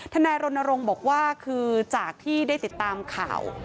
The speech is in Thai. นายรณรงค์บอกว่าคือจากที่ได้ติดตามข่าว